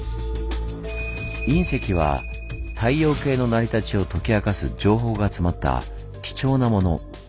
隕石は太陽系の成り立ちを解き明かす情報が詰まった貴重なもの。